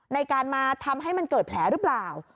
ในการมาทำให้มันเกิดแผลหรือเปล่า